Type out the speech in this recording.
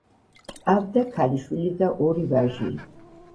ჰყავდა ქალიშვილი და ორი ვაჟი.